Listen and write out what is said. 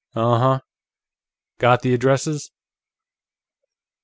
"Uh huh. Got the addresses?"